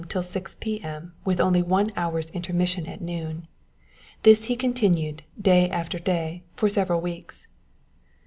till 6 p.m. with only one hour's intermission at noon. This he continued, day after day, for several weeks."